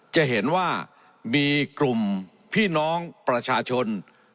จะเห็นว่ามีกลุ่มพี่น้องประชาชน